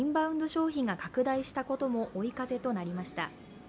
消費が拡大したことも追い風となりました。